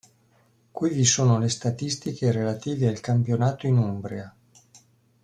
Qui vi sono le statistiche relative al campionato in Umbria.